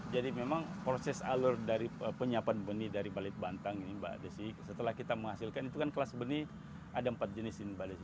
memang proses alur dari penyiapan benih dari balit bantang ini mbak desi setelah kita menghasilkan itu kan kelas benih ada empat jenis ini mbak desi